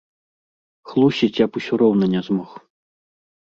Хлусіць я б усё роўна не змог.